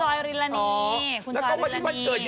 มีล่ะมีอะไรฮะอ้าว